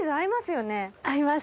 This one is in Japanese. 合います！